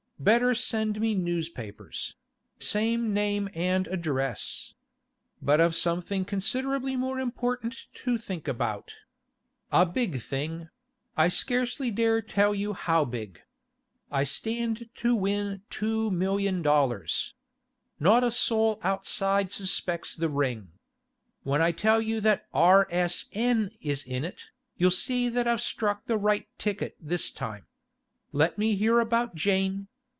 Better send me newspapers—same name and address. ... But I've something considerably more important to think about. ... A big thing; I scarcely dare tell you how big. I stand to win $2,000,000! ... Not a soul outside suspects the ring. When I tell you that R.S.N. is in it, you'll see that I've struck the right ticket this time. ... Let me hear about Jane.